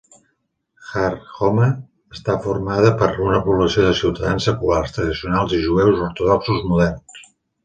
Har Homa està formada per una població de ciutadans seculars, tradicionals i jueus ortodoxos moderns.